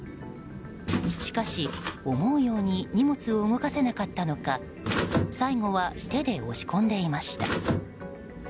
しかし、思うように荷物を動かせなかったのか最後は手で押し込んでいました。